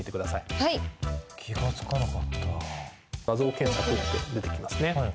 「画像検索」って出てきますね。